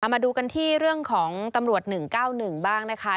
มาดูกันที่เรื่องของตำรวจ๑๙๑บ้างนะคะ